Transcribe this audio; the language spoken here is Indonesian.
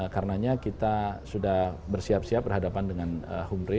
karena kita sudah bersiap siap berhadapan dengan humre